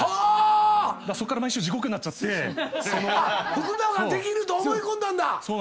福長できると思い込んだんだ。